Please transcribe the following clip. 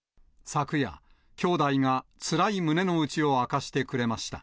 昨夜、きょうだいがつらい胸の内を明かしてくれました。